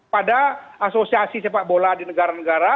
pada asosiasi sepak bola di negara negara